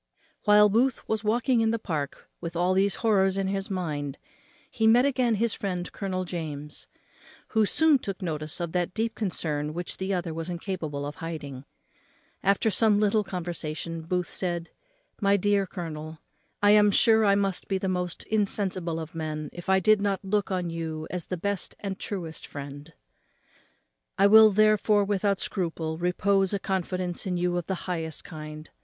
While Booth was walking in the Park with all these horrors in his mind he again met his friend Colonel James, who soon took notice of that deep concern which the other was incapable of hiding. After some little conversation, Booth said, "My dear colonel, I am sure I must be the most insensible of men if I did not look on you as the best and the truest friend; I will, therefore, without scruple, repose a confidence in you of the highest kind.